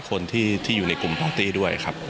คนที่อยู่ในกลุ่มของตี้ด้วยครับ